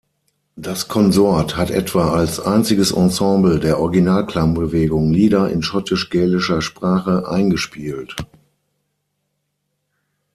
Das Consort hat etwa als einziges Ensemble der Originalklang-Bewegung Lieder in schottisch-gälischer Sprache eingespielt.